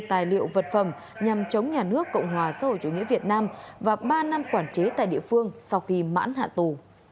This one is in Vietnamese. tài liệu vật phẩm nhằm chống nhà nước cộng hòa xã hội chủ nghĩa việt nam và ba năm quản chế tại địa phương sau khi mãn hạ tù